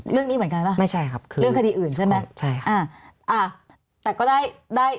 เรื่องนี้เหมือนกันใช่ไหมเรื่องคดีอื่นใช่ไหมอ่าแต่ก็ได้